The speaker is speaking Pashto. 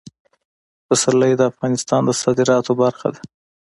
پسرلی د افغانستان د صادراتو برخه ده.